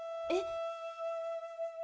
えっ？